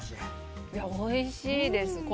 おいしいです。